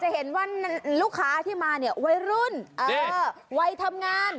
เห็นว่าลูกค้าที่มาเนี่ยวัยรุ่นวัยทำงาน